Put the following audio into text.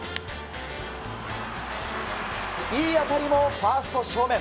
いい当たりも、ファースト正面。